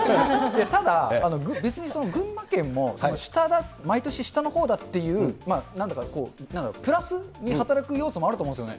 ただ、別に群馬県も毎年下のほうだっていう、なんだろう、プラスに働く要素もあると思うんですよね。